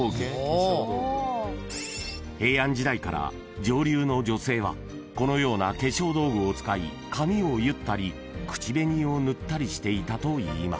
［平安時代から上流の女性はこのような化粧道具を使い髪を結ったり口紅を塗ったりしていたといいます］